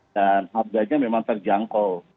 dan harganya memang terjangkau